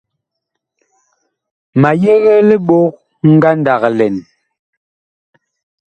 Ma yegee libok ngandag lɛn.